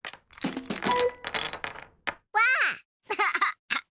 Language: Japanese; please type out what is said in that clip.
わあ！